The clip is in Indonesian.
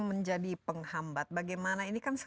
menjadi penghambat bagaimana ini kan